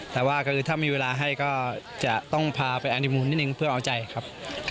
แต่ว่าถ้ามีเวลาให้ก็จริงต้องพาเท่านั้นพนักฟุตบอลไปอันดี้สุดนิดนึงเพื่อเอาใจครับ